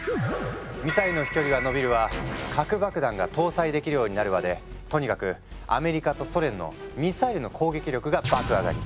ミサイルの飛距離はのびるわ核爆弾が搭載できるようになるわでとにかくアメリカとソ連のミサイルの攻撃力が爆上がり。